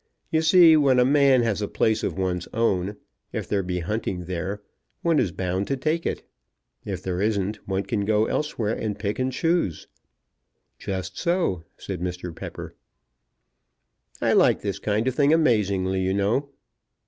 You see when a man has a place of one's own, if there be hunting there, one is bound to take it; if there isn't, one can go elsewhere and pick and choose." "Just so," said Mr. Pepper. "I like this kind of thing amazingly, you know."